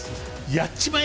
「やっちまえ！！」